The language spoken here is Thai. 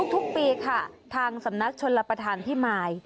ทุกปีค่ะทางสำนักชนรับประทานพิมาย